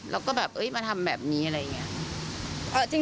แล้วก็แบบมาทำแบบนี้อะไรอย่างนี้